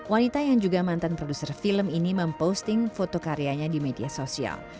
wanita yang juga mantan produser film ini memposting foto karyanya di media sosial